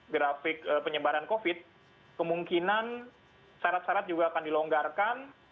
grafik penyebaran covid kemungkinan syarat syarat juga akan dilonggarkan